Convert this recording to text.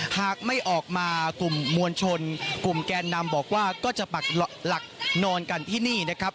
หากไม่ออกมากลุ่มมวลชนกลุ่มแกนนำบอกว่าก็จะปักหลักนอนกันที่นี่นะครับ